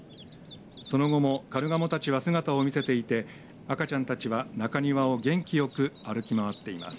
その後もカルガモたちは姿を見せていて赤ちゃんたちは中庭を元気よく歩き回っています。